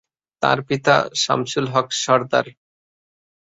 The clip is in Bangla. তার পিতা শামসুল হক সরদার।